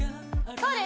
そうです